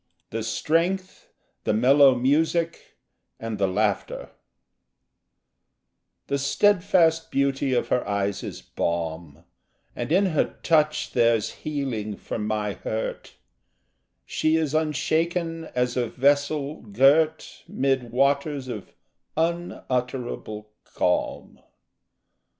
The strength, the mellow music, and the laughter The steadfast beauty of her eyes is balm, And in her touch there's healing for my hurt; She is unshaken as a vessel girt Mid waters of unutterable calm.